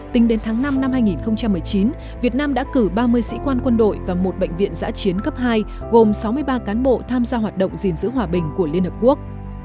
tính đến tháng năm năm hai nghìn một mươi chín việt nam đã cử ba mươi sĩ quan quân đội và một bệnh viện giã chiến cấp hai gồm sáu mươi ba cán bộ tham gia hoạt động gìn giữ hòa bình của liên hợp quốc